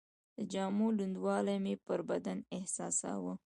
د جامو لوندوالی مې پر بدن احساساوه.